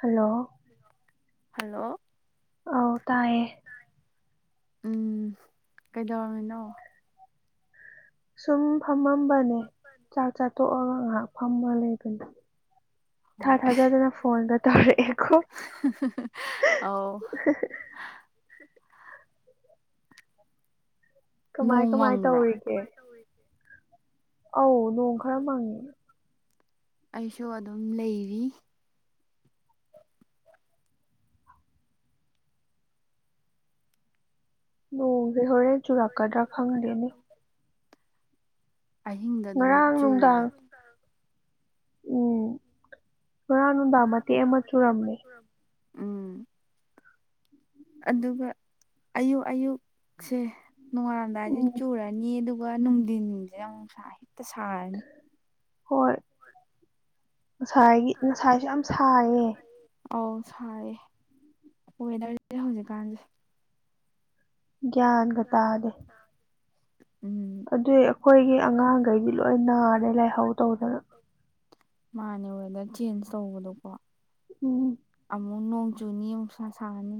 Hello hello ꯑꯧ ꯇꯥꯏꯌꯦ ꯎꯝ ꯀꯩꯗꯧꯔꯝꯃꯤꯅꯣ ꯁꯨꯝ ꯐꯝꯃꯝꯕꯅꯦ ꯆꯥꯛ ꯆꯥꯊꯣꯛꯑꯒ ꯉꯥꯏꯍꯥꯛ ꯐꯝꯃ ꯂꯩꯕꯅꯤꯗꯥ ꯏꯊꯥ ꯍꯣꯏ ꯊꯥꯖꯗꯅ ꯐꯣꯟꯒ ꯇꯧꯔꯛꯑꯦꯀꯣ ꯑꯧ ꯀꯃꯥꯏ ꯅꯣꯡ ꯀꯃꯥꯏ ꯃꯪꯕ꯭ꯔꯥ ꯇꯧꯔꯤꯒꯦ ꯑꯧ ꯅꯣꯡ ꯈꯔ ꯃꯪꯉꯦ ꯑꯩꯁꯨ ꯑꯗꯨꯝ ꯂꯩꯔꯤ ꯅꯣꯡꯖꯦ ꯍꯣꯔꯦꯟ ꯆꯨꯔꯛꯀꯗ꯭ꯔꯥ ꯈꯪꯗꯦꯅꯦ ꯑꯍꯤꯡꯗ ꯑꯗꯨꯝ ꯉꯔꯥꯡ ꯅꯨꯡꯗꯥꯡ ꯆꯨꯕꯅꯤ ꯎꯝ ꯉꯔꯥꯡ ꯅꯨꯡꯗꯥꯡ ꯃꯇꯦꯛ ꯑꯃ ꯆꯨꯔꯝꯃꯦ ꯎꯝ ꯑꯗꯨꯒ ꯑꯌꯨꯛ ꯑꯌꯨꯛꯁꯦ ꯅꯣꯡꯉꯜꯂꯝꯗꯥꯏꯁꯦ ꯎꯝ ꯆꯨꯔꯅꯤ ꯑꯗꯨ ꯑꯗꯨꯒ ꯅꯨꯡꯊꯤꯟꯖꯦ ꯌꯥꯝ ꯅꯨꯡꯁꯥ ꯍꯦꯛꯇ ꯁꯥꯔꯅꯤ ꯍꯣꯏ ꯉꯁꯥꯏꯒꯤ ꯉꯁꯥꯏꯁꯨ ꯌꯥꯝ ꯁꯥꯏꯌꯦ ꯑꯧ ꯁꯥꯏꯌꯦ ꯋꯦꯗꯔꯁꯦ ꯍꯧꯖꯤꯛꯀꯥꯟꯁꯦ ꯒ꯭ꯌꯥꯟꯒ ꯇꯥꯗꯦ ꯎꯝ ꯑꯗꯨꯏ ꯑꯩꯈꯣꯏꯒꯤ ꯑꯉꯥꯡꯒꯩꯗꯤ ꯂꯣꯏ ꯅꯥꯔꯦ ꯂꯥꯏꯍꯧ ꯇꯧꯗꯅ ꯃꯥꯅꯦ ꯋꯦꯗꯔ ꯆꯦꯟꯖ ꯇꯧꯕꯗꯣꯀꯣ ꯎꯝ ꯑꯃꯨꯛ ꯅꯣꯡ ꯆꯨꯅꯤ ꯑꯃꯨꯛ ꯁꯥ ꯁꯥꯅꯤ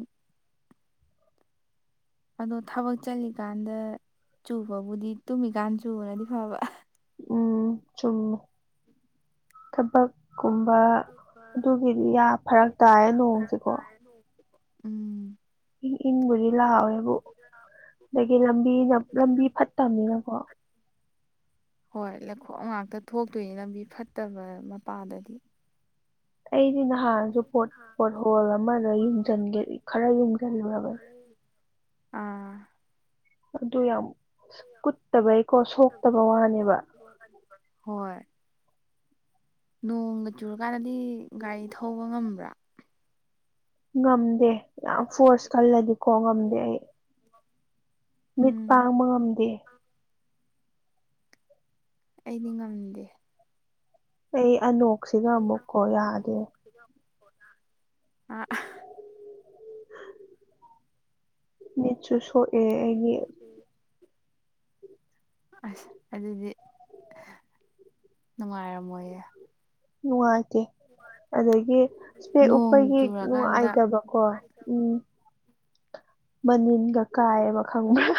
ꯑꯗꯣ ꯊꯕꯛ ꯆꯠꯂꯤꯀꯥꯟꯗ ꯆꯨꯕꯕꯨꯗꯤ ꯇꯨꯝꯃꯤꯀꯥꯟ ꯆꯨꯕꯅꯗꯤ ꯐꯕ ꯎꯝ ꯆꯨꯝꯃꯦ ꯊꯕꯛ ꯀꯨꯝꯕ ꯑꯗꯨꯒꯤꯗꯤ ꯌꯥꯝ ꯐꯔꯛ ꯇꯥꯏ ꯅꯣꯡꯁꯦꯀꯣ [inaudible] ꯎꯝ ꯏꯪ ꯏꯪꯕꯨꯗꯤ ꯂꯥꯎꯋꯦꯕꯨ ꯑꯗꯒꯤ ꯂꯝꯕꯤꯅ ꯂꯝꯕꯤ ꯐꯠꯇꯕꯅꯤꯅꯀꯣ ꯍꯣꯏ ꯂꯩꯈꯣꯝ ꯉꯥꯛꯇ ꯊꯣꯛꯇꯣꯏꯅꯤ ꯂꯝꯕꯤ ꯐꯠꯇꯕ ꯃꯄꯥꯗꯗꯤ ꯑꯩꯗꯤ ꯅꯍꯥꯟꯁꯨ ꯄꯣꯠ ꯄꯣꯠ ꯍꯣꯜ ꯑꯃꯗ ꯌꯨꯡꯖꯟꯒꯦ ꯈꯔ ꯌꯨꯡꯖꯜꯂꯨꯔꯕꯅꯦ ꯑꯥ ꯑꯗꯨ ꯌꯥꯝ ꯀꯨꯠꯇꯕꯩꯀꯣ ꯁꯣꯛꯇꯕ ꯋꯥꯅꯦꯕ ꯍꯣꯏ ꯅꯣꯡꯒ ꯆꯨꯔꯀꯥꯟꯗꯗꯤ ꯒꯥꯔꯤ ꯊꯧꯕ ꯉꯝꯕ꯭ꯔꯥ ꯉꯝꯗꯦ ꯌꯥꯝ ꯐꯣꯔꯁ ꯀꯜꯂꯗꯤꯀꯣ ꯉꯝꯗꯦ ꯑꯩ ꯃꯤꯠ ꯎꯝ ꯄꯥꯡꯕ ꯉꯝꯗꯦ ꯑꯩꯗꯤ ꯉꯝꯗꯦ ꯑꯩ ꯑꯅꯣꯛꯁꯤꯒ ꯑꯃꯨꯛ ꯀꯣ ꯌꯥꯗꯦ [unintelligible] ꯑꯥ ꯃꯤꯠꯁꯨ ꯁꯣꯛꯑꯦ ꯑꯩꯒꯤ ꯑꯁ ꯑꯗꯨꯗꯤ ꯅꯨꯡꯉꯥꯏꯔꯝꯃꯣꯏꯌꯦ ꯅꯨꯡꯉꯥꯏꯇꯦ ꯑꯗꯒꯤ ꯁ꯭ꯄꯦꯛ ꯅꯣꯡ ꯎꯞꯄꯒꯤ ꯆꯨꯔꯀꯥꯟꯗ ꯅꯨꯡꯉꯥꯏꯇꯕ ꯀꯣ ꯎꯝ ꯃꯅꯤꯟꯒ ꯀꯥꯏꯑꯕ ꯈꯪꯕ꯭ꯔꯥ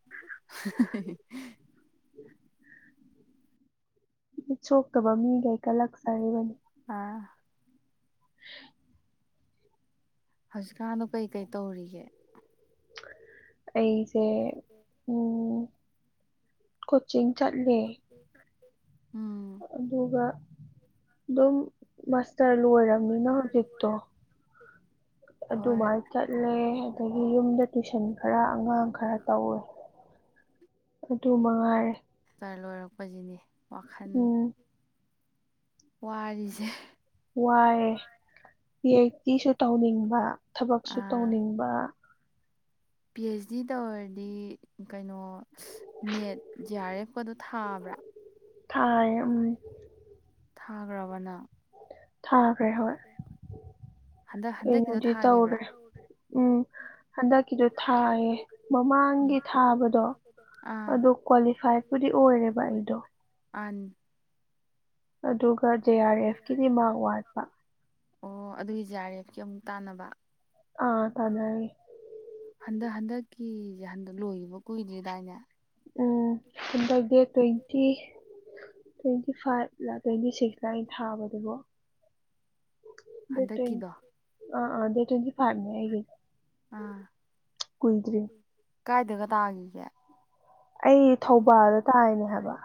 [inaudible] ꯃꯤꯠ ꯁꯣꯛꯇꯕ ꯃꯤꯒꯩ ꯀꯂꯛꯆꯔꯤꯕꯅꯤ ꯑꯥ [inaudible] ꯍꯧꯖꯤꯛꯀꯥꯟꯗꯣ ꯀꯩꯀꯩ ꯇꯧꯔꯤꯒꯦ ꯑꯩꯁꯦ ꯎꯝ ꯀꯣꯆꯤꯡ ꯆꯠꯂꯦ ꯎꯝ ꯑꯗꯨꯒ ꯑꯗꯨꯝ ꯃꯁ ꯇꯔ ꯂꯣꯏꯔꯕꯅꯤꯅ ꯍꯧꯖꯤꯛꯇꯣ ꯍꯣꯏ ꯑꯗꯨꯃꯥꯏ ꯆꯠꯂꯦ ꯑꯗꯒꯤ ꯌꯨꯝꯗ ꯇꯨꯏꯁꯟ ꯈꯔ ꯑꯉꯥꯡ ꯈꯔ ꯇꯧꯋꯦ ꯑꯗꯨ ꯃꯉꯥꯏꯔꯦ ꯆꯔ ꯂꯣꯏꯔꯛꯄꯁꯤꯅꯦ ꯋꯥꯈꯜ ꯎꯝ ꯋꯥꯔꯤꯁꯦ ꯋꯥꯏꯌꯦ ꯄꯤ ꯑꯩꯆ ꯇꯤꯁꯨ ꯇꯧꯅꯤꯡꯕ ꯑ ꯊꯕꯛꯁꯨ ꯇꯧꯅꯤꯡꯕ ꯄꯤ ꯑꯩꯆ ꯗꯤ ꯇꯧꯔꯗꯤ ꯀꯩꯅꯣ ꯅꯦꯠ ꯖꯤ ꯑꯥꯔ ꯑꯦꯐꯀꯗꯣ ꯊꯥꯕ꯭ꯔꯥ ꯊꯥꯔꯦ ꯎꯝ ꯊꯥꯏꯌꯦ ꯊꯥꯒ꯭ꯔꯕ ꯅꯪ ꯊꯥꯈ꯭ꯔꯦ ꯍꯣꯏ ꯍꯟꯗꯛ ꯍꯟꯗꯛꯀꯤꯗꯣ ꯀꯩꯅꯣꯗꯤ ꯊꯥꯈꯤꯕ꯭ꯔꯥ ꯇꯧꯔꯦ ꯎꯝ ꯍꯟꯗꯛꯀꯤꯗꯣ ꯊꯥꯏꯌꯦ ꯎꯝ ꯃꯃꯥꯡꯒꯤ ꯊꯥꯕꯗꯣ ꯑꯥ ꯑꯗꯨ ꯀ꯭ꯋꯥꯂꯤꯐꯥꯏꯠꯄꯨꯗꯤ ꯑꯣꯏꯔꯦꯕ ꯑꯩꯗꯣ ꯑꯟ ꯑꯗꯨꯒ ꯖꯦ ꯑꯥꯔ ꯑꯦꯐꯀꯤꯗꯤ ꯃꯥꯛ ꯋꯥꯠꯄ ꯑꯣ ꯑꯗꯨꯒꯤ ꯖꯦ ꯑꯥꯔ ꯑꯦꯐꯀꯤ ꯑꯃꯨꯛ ꯇꯥꯟꯅꯕ ꯑꯥ ꯇꯥꯟꯅꯔꯤ ꯍꯟꯗꯛ ꯍꯟꯗꯛꯀꯤꯁꯦ ꯍꯟꯗꯛ ꯂꯣꯏꯈꯤꯕ ꯀꯨꯏꯗ꯭ꯔꯤꯗꯥꯏꯅꯦ ꯎꯝ ꯍꯟꯗꯛ ꯗꯦꯠ ꯇ꯭ꯋꯦꯟꯇꯤ ꯇ꯭ꯋꯦꯟꯇꯤ ꯐꯥꯏꯚ ꯂ ꯇ꯭ꯋꯦꯟꯇꯤ ꯁꯤꯛꯁ ꯂꯥ ꯑꯩꯅ ꯊꯥꯕꯗꯨꯕꯣ ꯗꯦꯠ ꯇ꯭ꯋꯦꯟ ꯍꯟꯗꯛꯀꯤꯗꯣ ꯑꯥ ꯑꯥ ꯗꯦꯠ ꯇ꯭ꯋꯦꯟꯇꯤ ꯐꯥꯏꯚꯅꯦ ꯑꯩꯒꯤ ꯑꯥ ꯀꯨꯏꯗ꯭ꯔꯤ ꯀꯥꯏꯗꯒ ꯇꯥꯈꯤꯒꯦ ꯑꯩ ꯊꯧꯕꯥꯜꯗ ꯇꯥꯏꯅꯦ ꯍꯥꯏꯕ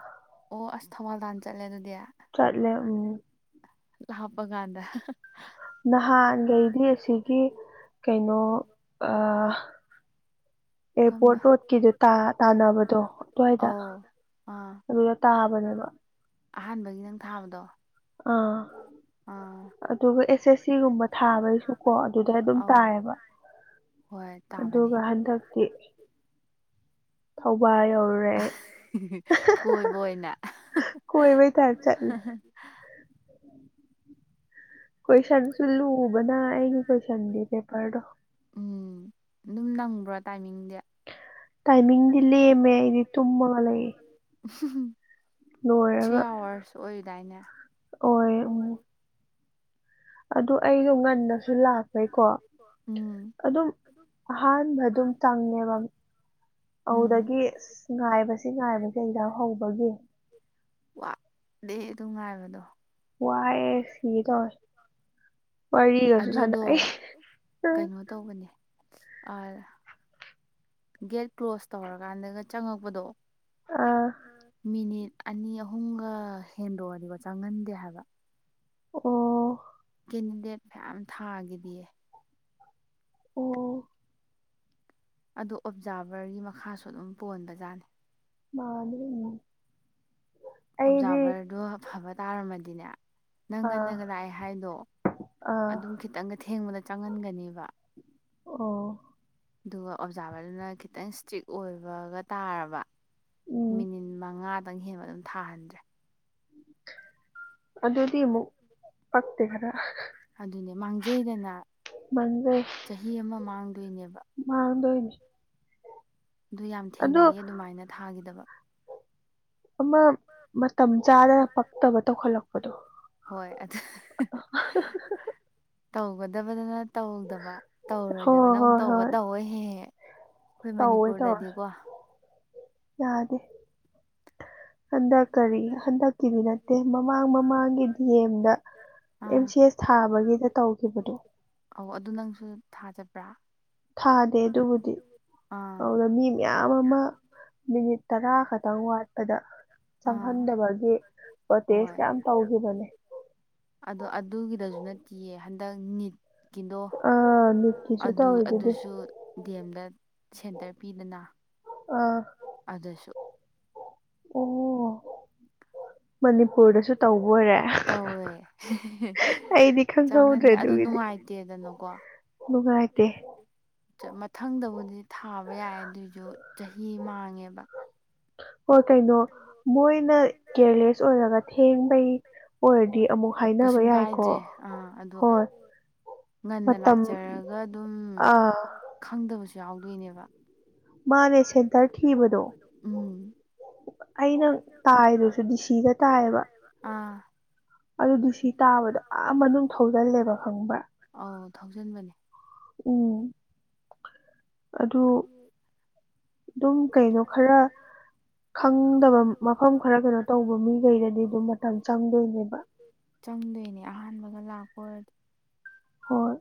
ꯑꯣ ꯑꯁ ꯊꯧꯕꯥꯜ ꯇꯥꯟ ꯆꯠꯂꯦ ꯑꯗꯨꯗꯤ ꯆꯠꯂꯦ ꯎꯝ ꯂꯥ ꯍꯥꯞꯄ ꯀꯥꯟꯗ ꯅꯍꯥꯟꯒꯩꯗꯤ ꯑꯁꯤꯒꯤ ꯀꯩꯅꯣ ꯑꯥ ꯀꯝꯕ ꯑꯦꯌꯥꯔꯄꯣꯔꯠ ꯔꯣꯗꯀꯤꯗꯨ ꯇꯥ ꯇꯥꯟꯅꯕꯗꯣ ꯑꯗ꯭ꯋꯥꯏꯗ ꯑꯧ ꯑꯥ ꯑꯗꯨꯗ ꯇꯥꯕꯅꯦꯕ ꯑꯍꯥꯟꯕꯒꯤ ꯅꯪ ꯊꯥꯕꯗꯣ ꯑꯥ ꯑ ꯑꯥ ꯑꯗꯨꯒ ꯑꯦꯁ ꯑꯦꯁ ꯁꯤꯒꯨꯝꯕ ꯊꯥꯕꯩꯁꯨꯀꯣ ꯑꯗꯨꯗ ꯑꯗꯨꯝ ꯑꯧ ꯇꯥꯏꯌꯦꯕ ꯍꯣꯏ ꯇꯥꯕꯅꯦ ꯑꯗꯨꯒ ꯍꯟꯗꯛꯇꯤ ꯊꯧꯕꯥꯜ ꯌꯧꯔꯨꯔꯦ ꯑꯩ ꯀꯣꯏꯕ ꯑꯣꯏꯅ ꯀꯣꯏꯕꯩ ꯇꯥꯢꯞ ꯆꯠꯂꯦ ꯀꯣꯏꯁꯟꯁꯨ ꯂꯨꯕꯅ ꯑꯩꯒꯤ ꯀꯣꯏꯁꯟꯗꯤ ꯄꯦꯄꯔꯗꯣ ꯎꯝ ꯑꯗꯨꯝ ꯅꯪꯕ꯭ꯔꯥ ꯇꯥꯏꯃꯤꯡꯗꯤ ꯇꯥꯏꯃꯤꯡꯗꯤ ꯂꯦꯝꯃꯦ ꯑꯩꯗꯤ ꯇꯨꯝꯃꯒ ꯂꯩꯌꯦ ꯊ꯭ꯔꯤ ꯑꯋꯥꯔꯁ ꯑꯣꯏꯗꯥꯏꯅꯦ ꯑꯣꯢ ꯎꯝ ꯑꯗꯨ ꯑꯩꯁꯨ ꯉꯟꯅꯁꯨ ꯂꯥꯛꯄꯩꯀꯣ ꯎꯝ ꯑꯗꯨꯝ ꯑꯍꯥꯟꯕ ꯑꯗꯨꯝ ꯆꯪꯉꯦꯕ ꯎꯝ ꯑꯗꯨꯗꯒꯤ ꯉꯥꯏꯕꯁꯤ ꯉꯥꯏꯕꯁꯤ ꯑꯦꯛꯖꯥꯝ ꯍꯧꯕꯒꯤ ꯋꯥꯗꯦ ꯑꯗꯨ ꯉꯥꯏꯕꯗꯣ ꯋꯥꯏꯑꯦ ꯁꯤꯒꯦ ꯇꯧꯢ ꯋꯥꯔꯤꯒꯁꯨ ꯑꯗꯨꯗꯣ ꯁꯥꯟꯅꯔꯤ ꯀꯩꯅꯣ ꯇꯧꯕꯅꯦ ꯑꯥꯗ ꯒꯦꯠ ꯀ꯭ꯂꯣꯁ ꯇꯧꯔꯀꯥꯟꯗꯒ ꯆꯪꯉꯛꯄꯗꯣ ꯑꯥ ꯑ ꯃꯤꯅꯤꯠ ꯑꯅꯤ ꯑꯍꯨꯝꯒ ꯍꯦꯟꯗꯣꯛꯑꯗꯤꯕ ꯆꯪꯍꯟꯗꯦ ꯍꯥꯏꯕ ꯑꯣ ꯀꯦꯟꯗꯤꯗꯦꯠ ꯐꯌꯥꯝ ꯊꯥꯈꯤꯗꯤꯌꯦ ꯑꯣ ꯑꯗꯣ ꯑꯣꯞꯖꯥꯔꯚꯔꯒꯤ ꯃꯈꯥꯁꯨ ꯑꯗꯨꯝ ꯄꯣꯟꯕꯖꯥꯠꯅꯤ ꯃꯥꯟꯅꯤ ꯀꯩꯅꯣ ꯑꯣꯞꯖꯥꯔꯚꯔꯗꯣ ꯑꯐꯕ ꯇꯥꯔꯝꯃꯗꯤꯅꯦ ꯅꯪ ꯑꯥ ꯉꯟꯅꯒ ꯂꯥꯛꯑꯦ ꯍꯥꯏꯗꯣ ꯑꯥ ꯑꯗꯨꯝ ꯈꯤꯇꯪꯒ ꯊꯦꯡꯕꯗ ꯆꯪꯍꯟꯒꯅꯦꯕ ꯑꯣ ꯑꯗꯨꯒ ꯑꯣꯞꯖꯥꯔꯚꯔꯗꯨꯅ ꯈꯤꯇꯪ ꯏꯁꯇ꯭ꯔꯤꯛ ꯑꯣꯏꯕꯒ ꯇꯥꯔꯕ ꯎꯝ ꯃꯤꯅꯤꯠ ꯃꯉꯥꯗꯪ ꯍꯦꯟꯕ ꯑꯗꯨꯝ ꯊꯥꯍꯟꯗ꯭ꯔꯦ ꯑꯗꯨꯗꯤ ꯑꯃꯨꯛ ꯄꯛꯇꯦ ꯈꯔ ꯑꯗꯨꯅꯦ ꯃꯥꯡꯖꯩꯗꯅ ꯃꯥꯡꯖꯩ ꯆꯍꯤ ꯑꯃ ꯃꯥꯡꯗꯣꯏꯅꯦꯕ ꯃꯥꯥꯡꯗꯣꯏꯅꯤ ꯑꯗꯨ ꯌꯥꯝ ꯊꯦꯡꯅꯩꯌꯦ ꯑꯗꯨꯃꯥꯏꯅ ꯊꯥꯒꯤꯗꯕ ꯑꯃ ꯃꯇꯝ ꯆꯥꯗꯅ ꯄꯛꯇꯕ ꯇꯧꯈꯠꯂꯛꯄꯗꯣ ꯍꯣꯏ ꯑꯗꯨ [unintelligible] ꯇꯧꯒꯗꯕꯗꯅ ꯇꯧꯗꯕ ꯍꯣꯏ ꯇꯧꯔꯣꯏꯗꯕꯅ ꯑꯃꯨꯛ ꯍꯣꯏ ꯇꯧꯕ ꯍꯣꯏ ꯇꯧꯋꯦ ꯍꯦꯛ ꯍꯦꯛ ꯑꯩꯈꯣꯏ ꯇꯧꯋꯦ ꯇꯧꯋꯦ ꯃꯅꯤꯄꯨꯔꯗꯗꯤꯀꯣ ꯌꯥꯗꯦ ꯍꯟꯗꯛ ꯀꯔꯤ ꯍꯟꯗꯛꯀꯤꯗꯤ ꯅꯠꯇꯦ ꯃꯃꯥꯡ ꯃꯃꯥꯡꯒꯤ ꯗꯤ ꯑꯦꯝ ꯗ ꯑꯦꯝ ꯑꯥ ꯁꯤ ꯑꯦꯁ ꯊꯥꯕꯒꯤꯗ ꯇꯧꯈꯤꯕꯗꯣ ꯑꯧ ꯑꯗꯨ ꯅꯪꯁꯨ ꯊꯥ ꯆꯠꯄ꯭ꯔꯥ ꯊꯥꯗꯦ ꯑꯗꯨꯕꯨꯗꯤ ꯑꯥ ꯑꯗꯨꯗ ꯃꯤ ꯃꯌꯥꯝ ꯑꯃ ꯃꯤꯅꯤꯠ ꯇꯔꯥ ꯈꯛꯇꯪ ꯋꯥꯠꯄꯗ ꯑꯥ ꯆꯪꯍꯟꯗꯕꯒꯤ ꯄ꯭ꯔꯣꯇꯦꯁ ꯍꯣꯏ ꯌꯥꯝ ꯇꯧꯈꯤꯕꯅꯦ ꯑꯗꯣ ꯑꯗꯨꯒꯤꯗꯁꯨ ꯅꯠꯇꯤꯌꯦ ꯍꯟꯗꯛ ꯅꯤꯠ ꯀꯤꯟꯗꯣ ꯑ ꯅꯤꯠꯀꯤꯁꯨ ꯑꯗꯨ ꯇꯧꯔꯤꯗꯨꯗꯤ ꯑꯗꯨꯁꯨ ꯗꯤ ꯑꯦꯝꯗ ꯁꯦꯟꯇꯔ ꯄꯤꯗꯅ ꯑꯥ ꯑꯗꯁꯨ ꯑꯣ ꯃꯅꯤꯄꯨꯔꯗꯁꯨ ꯇꯧꯕ ꯑꯣꯏꯔꯦ [inaudible] ꯇꯧꯋꯦ ꯍꯦꯍꯦ ꯑꯩꯗꯤ ꯈꯪꯍꯧꯗ꯭ꯔꯦ ꯆꯪꯍꯟꯗꯦ ꯑꯗꯨ ꯅꯨꯡꯉꯥꯏ ꯇꯦꯗꯅꯀꯣ ꯅꯨꯉꯥꯏꯇꯦ ꯃꯊꯪꯗꯕꯨꯗꯤ ꯊꯥꯕ ꯌꯥꯏ ꯑꯗꯨꯑꯣꯏꯁꯨ ꯆꯍꯤ ꯃꯥꯡꯉꯦꯕ ꯍꯣꯏ ꯀꯩꯅꯣ ꯃꯣꯏꯅ ꯀꯦꯔꯂꯦꯁ ꯑꯣꯏꯔꯒ ꯊꯦꯡꯕꯩ ꯑꯣꯏꯔꯗꯤ ꯑꯃꯨꯛ ꯍꯥꯏꯅꯕ ꯀꯩꯁꯨꯝ ꯌꯥꯏꯀꯣ ꯀꯥꯏꯗ꯭ꯔꯦ ꯑꯥ ꯑꯗꯨ ꯍꯣꯏ ꯉꯟꯅ ꯃꯇꯝ ꯂꯥꯛꯆꯔꯒ ꯑꯗꯨꯝ ꯑꯥ ꯈꯪꯗꯕꯁꯨ ꯌꯥꯎꯗꯣꯏꯅꯦꯕ ꯃꯥꯅꯦ ꯁꯦꯟꯇꯔ ꯊꯤꯕꯗꯣ ꯎꯝ ꯑꯩꯅ ꯇꯥꯏꯗꯨꯁꯨ ꯗꯤꯁꯤꯗ ꯇꯥꯏꯑꯕ ꯑꯥ ꯑꯗꯨ ꯗꯤ ꯁꯤ ꯇꯥꯕꯗꯣ ꯑꯥ ꯃꯅꯨꯡ ꯊꯧꯖꯜꯂꯦꯕ ꯈꯪꯕ꯭ꯔꯥ ꯑꯧ ꯊꯧꯖꯟꯕꯅꯦ ꯎꯝ ꯑꯗꯨ ꯑꯗꯨꯝ ꯀꯩꯅꯣ ꯈꯔ ꯈꯪꯗꯕ ꯃꯐꯝ ꯈꯔ ꯀꯩꯅꯣ ꯇꯧꯕ ꯃꯤꯈꯩꯗꯗꯤ ꯑꯗꯨꯝ ꯃꯇꯝ ꯆꯪꯗꯣꯏꯅꯦꯕ ꯆꯪꯗꯣꯏꯅꯦ ꯑꯍꯥꯟꯕꯒ ꯂꯥꯛꯄ ꯑꯣꯏꯔꯗꯤ ꯍꯣꯏ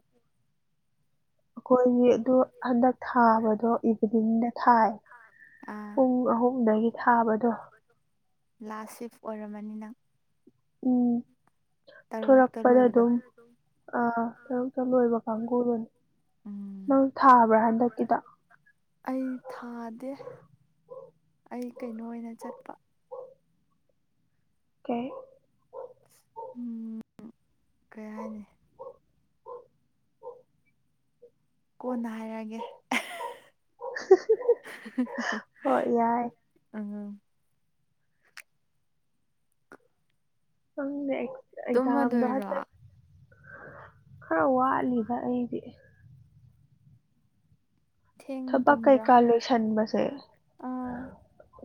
ꯑꯩꯈꯣꯏꯒꯤ ꯑꯗꯨ ꯍꯟꯗꯛ ꯊꯥꯕꯗꯣ ꯏꯚꯤꯅꯤꯡꯗ ꯊꯥꯏ ꯑꯥ ꯄꯨꯡ ꯑꯍꯨꯝꯗꯒꯤ ꯊꯥꯕꯗꯣ ꯂꯥꯁ ꯁꯤꯐ ꯑꯣꯏꯔꯝꯃꯅꯤ ꯅꯪ ꯎꯝ ꯊꯣꯔꯛꯄꯗ ꯑꯗꯨꯝ ꯑꯥ ꯑꯌꯨꯛꯇ ꯂꯣꯏꯕ ꯀꯥꯡꯕꯨꯅꯤ ꯎꯝ ꯅꯪ ꯊꯥꯕ꯭ꯔꯥ ꯍꯟꯗꯛꯀꯤꯗꯣ ꯑꯩ ꯊꯥꯗꯦ ꯑꯩ ꯀꯩꯅꯣ ꯑꯣꯏꯅ ꯆꯠꯄ ꯀꯩ ꯎꯝ ꯀꯩ ꯍꯥꯏꯅꯤ꯫ ꯀꯣꯟꯅ ꯍꯥꯏꯔꯛꯑꯒꯦ꯫ ꯍꯣꯏ ꯌꯥꯏ ꯑꯉꯥꯡ꯫ ꯈꯪꯗꯦ ꯑꯩ ꯫ ꯇꯨꯝꯃꯗꯣꯏꯔꯣ꯫ ꯈꯔ ꯋꯥꯠꯂꯤꯗ ꯑꯩꯗꯤ꯫ ꯊꯦꯡꯅ ꯊꯕꯛ ꯇꯨꯝꯕ꯭ꯔꯥ ꯀꯩꯀꯥ ꯂꯣꯏꯁꯥꯟꯕꯁꯦ꯫ ꯑꯥ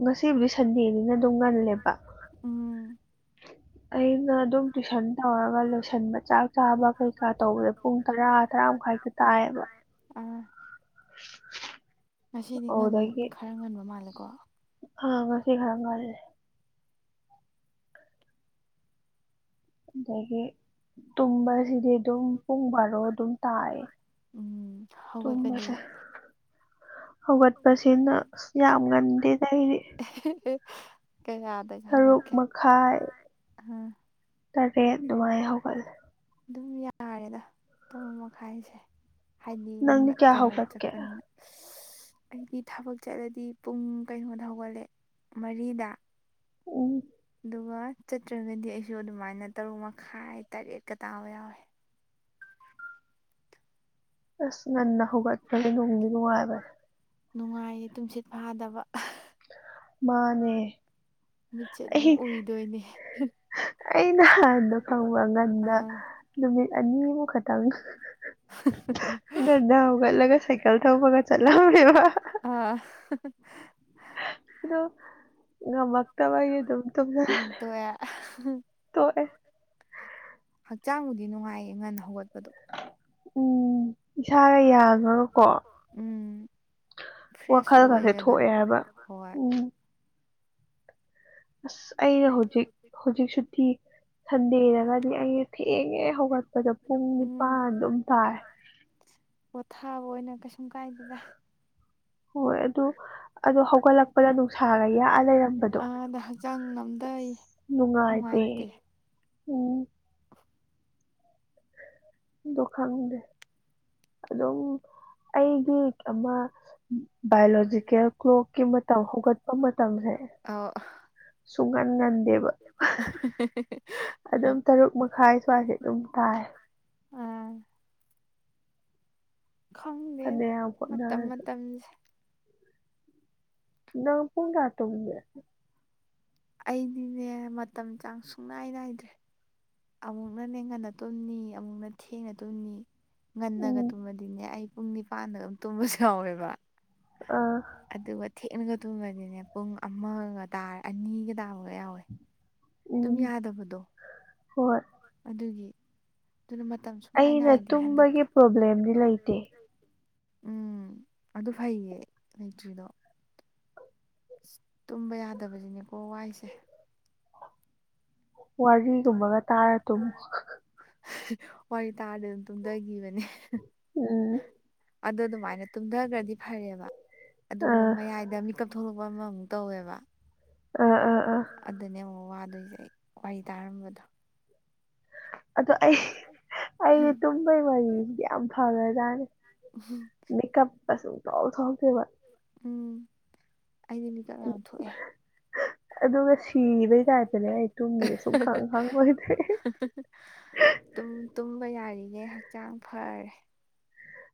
ꯉꯁꯤꯕꯨꯗꯤ ꯁꯟꯗꯦꯅꯤꯅ ꯑꯗꯨꯝ ꯉꯜꯂꯦꯕ ꯎꯝ ꯑꯩꯅ ꯑꯗꯨꯝ ꯇꯨꯏꯁꯟ ꯇꯧꯔꯒ ꯂꯣꯏꯁꯟꯕ ꯆꯥꯛ ꯆꯥꯕ ꯀꯩꯀꯥ ꯇꯧꯕꯗ ꯄꯨꯡ ꯇꯔꯥ ꯇꯔꯥ ꯃꯈꯥꯏꯗ ꯇꯥꯏꯌꯦꯕ꯫ ꯑꯥ꯫ [inaudible] ꯉꯁꯤꯗꯤ ꯉꯟ ꯑꯗꯨꯗꯒꯤ ꯈꯔ ꯉꯟꯕ ꯃꯥꯜꯂꯦꯀꯣ꯫ ꯑꯥ ꯉꯁꯤ ꯈꯔ ꯉꯥꯜꯂꯦ꯫ ꯑꯗꯒꯤ ꯇꯨꯝꯕꯁꯤꯗꯤ ꯑꯗꯨꯝ ꯄꯨꯡ ꯕꯥꯔꯣ ꯑꯗꯨꯝ ꯇꯥꯏꯑꯦ꯫ ꯎꯝ ꯍꯧꯒꯠꯄꯗꯤ꯫ ꯍꯧꯒꯠꯄꯁꯤꯅ ꯑꯁ ꯌꯥꯝ ꯉꯥꯟ ꯉꯟꯗꯦꯗ ꯑꯩꯗꯤ [unintelligible] ꯀꯩ ꯌꯥꯗꯒ ꯍꯧꯒꯠꯀꯦ ꯇꯔꯨꯛ ꯃꯈꯥꯏ ꯇꯔꯦꯠ ꯑꯗꯨꯃꯥꯏ ꯍꯧꯒꯠꯂꯦ꯫ ꯑꯗꯨꯝ ꯌꯥꯔꯦꯗ ꯇꯔꯨ ꯃꯈꯥꯏꯁꯦ ꯍꯥꯏꯗꯤ ꯅꯪꯗꯤ ꯌꯨꯝꯗ ꯀꯌꯥ ꯀꯩꯅꯣ ꯍꯧꯒꯠꯀꯦ ꯆꯠꯄꯅꯤꯅ꯫ ꯑꯩꯗꯤ ꯊꯕꯛ ꯆꯠꯂꯗꯤ ꯄꯨꯡ ꯀꯩꯅꯣꯗ ꯍꯧꯒꯠꯂꯦ ꯃꯔꯤꯗ꯫ ꯎꯝ꯫ ꯑꯗꯨꯒ ꯆꯠꯇ꯭ꯔꯒꯗꯤ ꯑꯩꯁꯨ ꯑꯗꯨꯃꯥꯏꯅ ꯇꯔꯨꯛ ꯃꯈꯥꯏ ꯇꯔꯦꯠꯀ ꯇꯥꯕ ꯌꯥꯎꯋꯦ꯫ ꯑꯁ ꯉꯟꯅ ꯍꯧꯒꯠꯄꯒꯤ ꯅꯨꯡꯗꯤ ꯅꯨꯡꯉꯥꯏꯕꯅꯦ꯫ ꯅꯨꯡꯉꯥꯏꯌꯦ ꯇꯨꯝꯁꯤꯠ ꯐꯥꯗꯕ꯫ ꯃꯥꯅꯦ꯫ ꯃꯤꯠꯁꯦ ꯑꯗꯨꯝ ꯑꯩ ꯎꯏꯗꯣꯏꯅꯦ ꯑꯩ ꯅꯍꯥꯟꯗꯣ ꯈꯪꯕ ꯉꯟꯅ ꯑꯥ ꯅꯨꯃꯤꯠ ꯑꯅꯤꯃꯨ ꯈꯛꯇꯪ ꯗꯥ ꯍꯧꯒꯠꯂꯒ ꯁꯥꯏꯀꯜ ꯊꯧꯕꯒ ꯆꯥꯠꯂꯝꯃꯦꯕ꯫ ꯑꯥ ꯑꯗꯣ ꯉꯥꯃꯛ꯫ [unintelligible] ꯑꯗꯨꯝ ꯇꯨꯝꯖꯜꯂꯦ ꯑꯃꯨꯛ ꯇꯣꯛꯑꯦ ꯇꯣꯛꯑꯦ ꯍꯛꯆꯥꯡꯕꯨꯗꯤ ꯅꯨꯡꯉꯥꯏꯌꯦ ꯉꯟꯅ ꯍꯧꯒꯠꯄꯗꯣ꯫ ꯎꯝ ꯏꯁꯥꯒ ꯌꯥꯈ꯭ꯔꯒꯀꯣ ꯎꯝ ꯐ꯭ꯔꯦꯁꯁꯨ ꯋꯥꯈꯜ ꯈꯁꯦ ꯑꯣꯏꯌꯦ ꯑꯗꯨꯝ ꯊꯣꯛꯑꯦ ꯍꯥꯏꯕ ꯍꯣꯏ ꯎꯝ ꯑꯁ ꯑꯩꯅ ꯍꯧꯖꯤꯛ ꯍꯧꯖꯤꯛ ꯁꯨ ꯊꯤ ꯁꯟꯗꯦꯗꯒꯗꯤ ꯑꯩꯁꯦ ꯊꯦꯡꯉꯦ ꯍꯧꯒꯠꯄꯗꯣ ꯄꯨꯡ ꯎꯝ ꯅꯤꯄꯥꯟ ꯑꯗꯨꯝ ꯇꯥꯏ꯫ ꯄꯣꯊꯥꯕ ꯑꯣꯏꯅ ꯀꯩꯁꯨꯝ ꯀꯥꯏꯗꯦꯗ꯫ ꯍꯣꯏ ꯑꯗꯨ ꯑꯗꯣ ꯍꯧꯒꯠꯂꯛꯄꯗ ꯅꯨꯡꯁꯥꯒ ꯌꯥꯑ ꯂꯩꯔꯝꯕꯗꯣ꯫ ꯑꯥꯗ ꯍꯛꯆꯥꯡ ꯅꯝꯗꯩ ꯅꯨꯡꯉꯥꯏꯗꯦ ꯅꯨꯡꯉꯥꯏꯇꯦ ꯎꯝ꯫ [unintelligible] ꯑꯗꯨ ꯈꯪꯗꯦ ꯑꯗꯨꯝ ꯑꯩꯒꯤ ꯑꯃ ꯕꯥꯏꯑꯣꯂꯣꯖꯤꯀꯦꯜ ꯀ꯭ꯂꯣꯛꯀꯤ ꯃꯇꯝ ꯍꯧꯒꯠꯄ ꯃꯇꯝꯁꯦ꯫ ꯑꯧ ꯁꯨꯡꯉꯟ ꯉꯟꯗꯦꯕ [unintelligible] ꯑꯗꯨꯝ ꯇꯔꯨꯛ ꯃꯈꯥꯏ ꯁ꯭ꯋꯥꯏꯁꯦ ꯑꯗꯨꯝ ꯇꯥꯏ꯫ ꯑꯥ꯫ ꯈꯪꯗꯦꯗ ꯐꯅꯌꯥꯝ ꯃꯇꯝ ꯍꯣꯠꯅꯔꯁꯨ ꯃꯇꯝꯁꯦ꯫ ꯅꯪ ꯄꯨꯡ ꯀꯌꯥꯗ ꯇꯨꯝꯒꯦ ꯑꯩꯗꯤꯅꯦ ꯃꯇꯝ ꯆꯥꯡ ꯁꯨꯡꯅꯥꯏ ꯅꯥꯏꯗ꯭ꯔꯦ ꯑꯃꯨꯛꯅ ꯅꯦ ꯉꯟꯅ ꯇꯨꯝꯅꯤ ꯑꯃꯨꯛꯅ ꯊꯦꯡꯉ ꯇꯨꯝꯅꯤ ꯉꯟꯅꯒ ꯎꯝ ꯇꯨꯝꯃꯗꯤꯅꯦ ꯑꯩ ꯄꯨꯡ ꯅꯤꯄꯥꯟꯗꯒ ꯑꯗꯨꯝ ꯇꯨꯝꯕꯁꯨ ꯌꯥꯎꯋꯦꯕ ꯑꯥ ꯑꯗꯨꯒ ꯊꯦꯛꯅꯒ ꯇꯨꯝꯃꯗꯤꯅꯦ ꯄꯨꯡ ꯑꯃꯒ ꯇꯥꯔ ꯑꯅꯤꯒ ꯇꯥꯕꯒ ꯌꯥꯎꯋꯦ ꯇꯨꯝ ꯎꯝ ꯌꯥꯗꯕꯗꯣ ꯍꯣꯏ ꯑꯗꯨꯒꯤ ꯑꯗꯨꯅ ꯃꯇꯝ ꯁꯨꯡꯅꯥꯏ ꯑꯩꯅ ꯅꯥꯏꯗꯦ ꯍꯟꯗꯛꯇꯣ ꯇꯨꯝꯕꯒꯤ ꯄ꯭ꯔꯣꯕ꯭ꯂꯦꯝꯗꯤ ꯂꯩꯇꯦ [unintelligible] ꯎꯝ ꯑꯗꯨ ꯐꯩꯌꯦ ꯂꯩꯇ꯭ꯔꯤꯗꯣ ꯑꯁ ꯇꯨꯝꯕ ꯌꯥꯗꯕꯁꯤꯅꯦꯀꯣ ꯋꯥꯏꯁꯦ ꯋꯥꯔꯤꯒꯨꯝꯕꯒ ꯇꯥꯔ ꯇꯨꯃꯨ ꯋꯥꯔꯤ ꯇꯥꯔꯗꯤ ꯑꯗꯨꯝ ꯇꯨꯝꯊꯈꯤꯕꯅꯦ ꯎꯝ ꯑꯗꯣ ꯑꯗꯨꯃꯥꯏꯅ ꯇꯨꯝꯊꯈ꯭ꯔꯗꯤ ꯐꯔꯦꯕ ꯑꯗꯨꯒ ꯑꯥ ꯃꯌꯥꯏꯗ ꯃꯤꯀꯞ ꯊꯣꯛꯂꯛꯄ ꯑꯃꯃꯨꯛ ꯇꯧꯋꯦꯕ ꯑꯥ ꯑꯥ ꯑꯥ ꯑꯗꯨꯅꯦ ꯑꯃꯨꯛ ꯋꯥꯗꯣꯏꯁꯦ ꯑꯩ ꯋꯥꯔꯤ ꯇꯥꯔꯝꯕꯗꯣ ꯑꯗꯣ ꯑꯩ ꯑꯩꯒꯤ ꯇꯨꯝꯕꯒꯤ ꯃꯔꯤꯁꯤꯗꯤ ꯌꯥꯝ ꯐꯈ꯭ꯔꯖꯥꯠꯅꯤ ꯃꯤꯀꯞꯀ ꯁꯨꯡꯊꯣꯛ ꯊꯣꯛꯇꯦꯕ ꯎꯝ ꯑꯩꯗꯤ ꯃꯤꯀꯞ ꯌꯥꯝ ꯊꯣꯛꯑꯦ ꯑꯗꯨꯒ ꯁꯤꯕꯩ ꯇꯥꯏꯞꯇꯅꯦ ꯑꯩ ꯇꯨꯝꯃꯤꯁꯦ ꯁꯨꯡꯈꯪ [unintelligible] ꯈꯪꯉꯣꯏꯗ꯭ꯔꯤ ꯇꯨꯝ ꯇꯨꯝꯕ ꯌꯥꯔꯤꯒꯩ ꯍꯛꯆꯥꯡ ꯐꯔꯦ